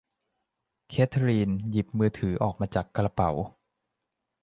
เคทลีนหยิบมือถือออกมาจากกระเป๋า